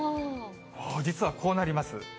実はこうなります。